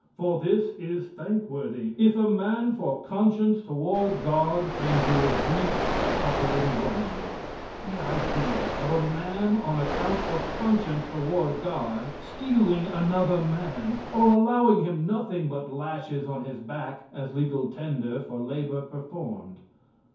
"For this is thankworthy, if a man for conscience toward God endure grief, suffering wrongfully." The idea of a man on account of conscience toward God stealing another man, or allowing him nothing but lashes on his back as legal tender for labor performed.